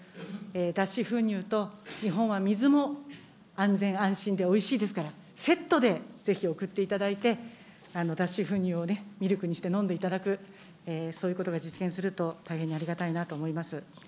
脱脂粉乳と、日本は水も安全、安心で、おいしいですから、セットでぜひ送っていただいて、脱脂粉乳をミルクにして飲んでいただく、そういうことが実現すると大変にありがたいなと思います。